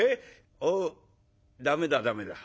おお駄目だ駄目だ」。